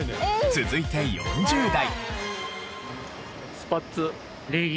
続いて５０代。